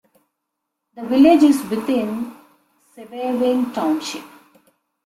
The village is within Sebewaing Township.